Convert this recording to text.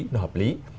nó hợp lý